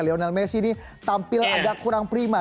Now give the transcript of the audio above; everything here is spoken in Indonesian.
lionel messi ini tampil agak kurang prima